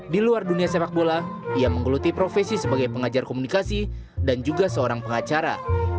di luar dunia sepak bola ia menggeluti profesi sebagai pengajar komunikasi dan juga seorang pengacara